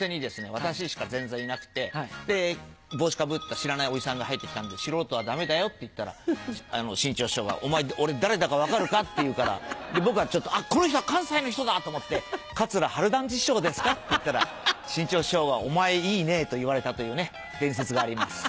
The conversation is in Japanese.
私しか前座いなくて帽子かぶった知らないおじさんが入って来たんで「素人はダメだよ」って言ったら志ん朝師匠が「お前俺誰だか分かるか？」って言うから僕はこの人は関西の人だ！と思って「桂春団治師匠ですか？」って言ったら志ん朝師匠が「お前いいね」と言われたという伝説があります。